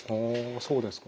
そうですか。